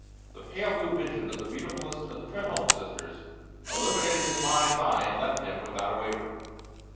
the pale blue vision of the beautifulest of the Trenholme sisters illuminated his mind's eye and left him without a waver.